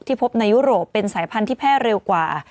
พบในยุโรปเป็นสายพันธุ์แพร่เร็วกว่า